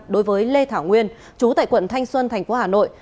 đối với lê thảo nguyên chú tại quận thanh xuân thành phố hà nội